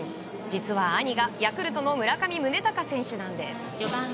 実は兄が、ヤクルトの村上宗隆選手なんです。